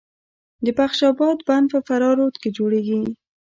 د بخش اباد بند په فراه رود جوړیږي